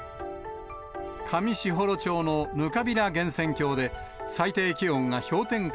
上士幌町のぬかびら源泉郷で最低気温が氷点下